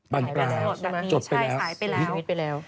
บันกลางใช่ไหมจดไปแล้วสวิตรไปแล้ว